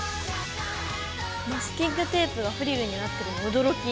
マスキングテープがフリルになってるの驚き！